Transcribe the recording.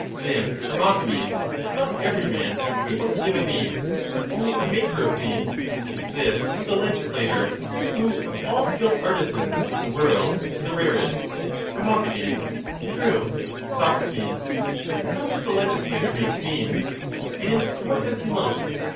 Then, Hermogenes, not every man is able to give a name, but only a maker of names ; and this is the legislator, who of all skilled artisans in the world is the rarest. Her. True. Soc. And how does the legislator make names? and to what does he look?